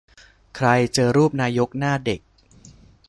ใครเจอรูปนายกหน้าเด็ก